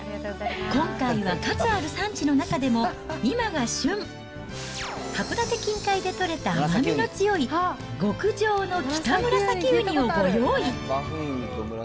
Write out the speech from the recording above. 今回は数ある産地の中でも今が旬、函館近海で取れた甘みの強い極上のキタムラサキウニをご用意。